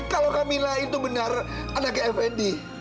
kalau camilla itu benar anaknya fnd